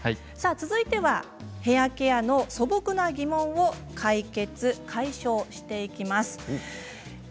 続いてはヘアケアの素朴な疑問解消します。